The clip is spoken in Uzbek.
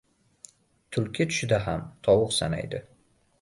• Tulki tushida ham tovuq sanaydi.